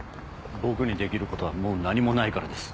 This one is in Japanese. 僕にできることはもう何もないからです。